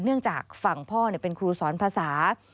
จากฝั่งพ่อเป็นครูสอนภาษา